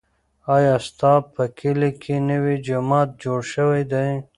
ایا ستا په کلي کې نوی جومات جوړ شوی دی؟